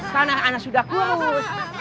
karena anak sudah kurus